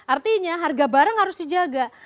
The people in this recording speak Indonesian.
artinya harga barang harus dijaga